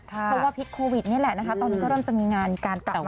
เพราะว่าพิษโควิดนี่แหละนะคะตอนนี้ก็เริ่มจะมีงานการกลับมา